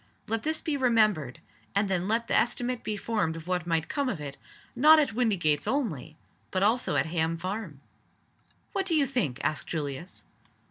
Let this be remembered; and then let the estimate be formed of what might come of it not at Windygates only, but also at Ham Farm! "What do you think?" asked Julius.